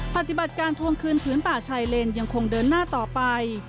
ปฏิบัติการทวงคืนพื้นป่าชายเลนยังคงเดินหน้าต่อไป